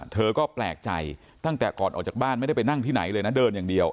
เธอก็แปลกใจตั้งแต่ก่อนออกจากบ้านไม่ได้ไปนั่งที่ไหนเลยนะเดินอย่างเดียว